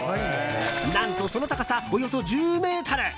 何と、その高さおよそ１０ｍ。